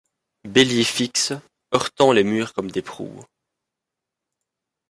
Béliers fixes, heurtant les murs comme des proues